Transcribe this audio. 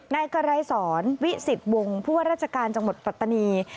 ในกรรไยศรวิศิษฐ์วงศ์พวกราชการจังหวัดปัตตานี